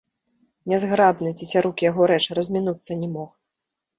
Нязграбны, цецярук яго рэж, размінуцца не мог.